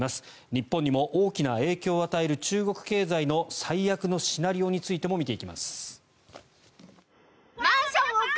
日本にも大きな影響を与える中国経済の最悪のシナリオについても見ていきます。